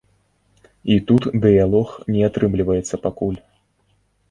І тут дыялог не атрымліваецца пакуль.